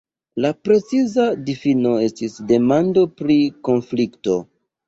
La preciza difino estis demando pri konflikto.